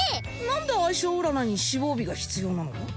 何で相性占いに死亡日が必要なの？